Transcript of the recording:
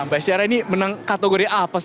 nah mbak estiara ini menang kategori apa sih